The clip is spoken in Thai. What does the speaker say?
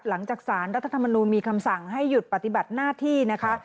หลังจากสารรัฐธรรมนูลมีคำสั่งให้หยุดปฏิบัติหน้าที่นะคะ